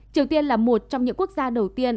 triều tiên là một trong những quốc gia đầu tiên